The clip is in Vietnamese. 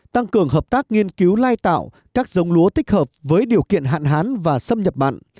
tăng cường hợp tác nghiên cứu lai tạo các giống lúa thích hợp với điều kiện hạn hán và xâm nhập mặn